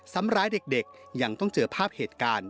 ทำร้ายเด็กยังต้องเจอภาพเหตุการณ์